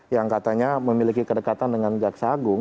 yang katanya memiliki kedekatan dengan jaksa agung